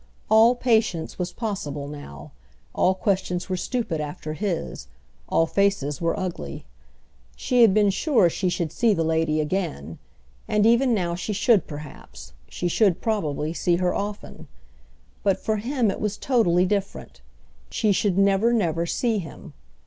All patience was possible now, all questions were stupid after his, all faces were ugly. She had been sure she should see the lady again; and even now she should perhaps, she should probably, see her often. But for him it was totally different; she should never never see him.